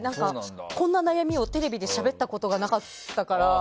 こんな悩みをテレビでしゃべったことがなかったから。